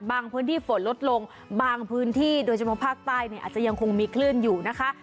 พื้นที่ฝนลดลงบางพื้นที่โดยเฉพาะภาคใต้เนี่ยอาจจะยังคงมีคลื่นอยู่นะคะ